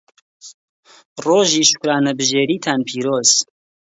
ڕۆژی شوکرانەبژێریتان پیرۆز.